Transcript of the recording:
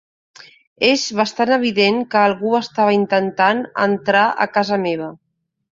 És bastant evident que algú estava intentant entrar a casa meva.